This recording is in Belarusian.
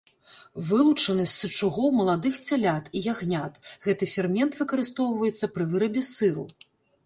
Вылучаны з сычугоў маладых цялят і ягнят, гэты фермент выкарыстоўваецца пры вырабе сыру.